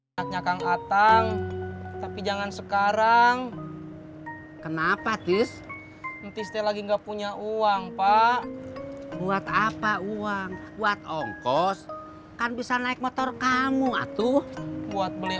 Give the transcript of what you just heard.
masuk aja disini aja